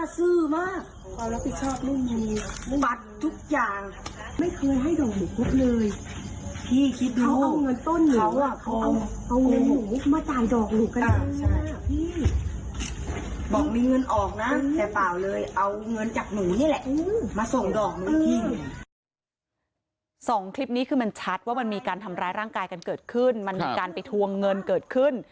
สองคลิปนี้คือมันชัดว่ามันมีการทำร้ายร่างกายกันเกิดขึ้นมันมีการไปทวงเงินเกิดขึ้น